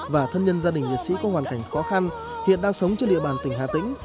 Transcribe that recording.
và thân nhân gia đình liệt sĩ có hoàn cảnh khó khăn hiện đang sống trên địa bàn tỉnh hà tĩnh